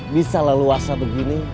bisa laluasa begini